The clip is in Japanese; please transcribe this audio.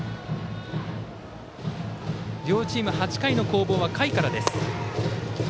両チーム８回の攻防は下位からです。